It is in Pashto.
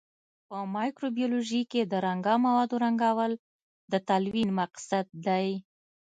په مایکروبیولوژي کې د رنګه موادو رنګول د تلوین مقصد دی.